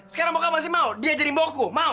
sekarang bokap masih mau dia jadi mbokku mau